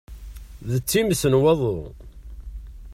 D times n waḍu!